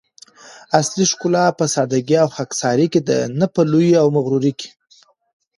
اصلي ښکلا په سادګي او خاکساري کی ده؛ نه په لويي او مغروري کي